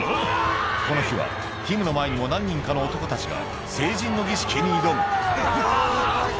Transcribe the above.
この日はティムの前にも何人かの男たちが成人の儀式に挑むうわ！